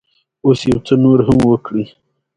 په افغانستان کې د ښتې تاریخ اوږد دی.